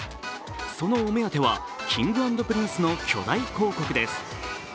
そのお目当ては、Ｋｉｎｇ＆Ｐｒｉｎｃｅの巨大広告です。